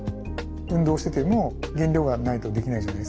運動してても原料がないとできないじゃないですか。